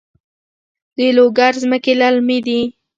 د لوګر ځمکې للمي دي